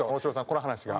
この話が。